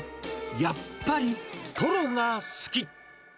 やっぱりトロが好き！